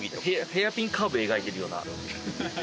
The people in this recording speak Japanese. ヘアピンカーブ描いてるような。